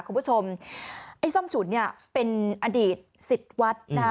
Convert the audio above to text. คุณผู้ชมไอ้ส้มฉุนเนี่ยเป็นอดีตสิทธิ์วัดนะคะ